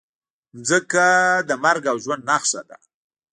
مځکه د مرګ او ژوند نښه ده.